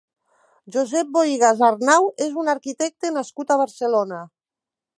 Josep Bohigas Arnau és un arquitecte nascut a Barcelona.